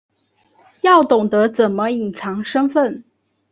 要懂得怎么隐藏身份